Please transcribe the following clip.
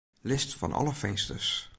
List fan alle finsters.